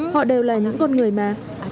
họ đều là những con người mà